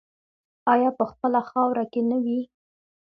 آیا په خپله خاوره کې نه وي؟